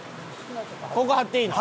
ここ貼っていいの？